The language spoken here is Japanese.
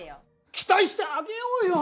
期待してあげようよ。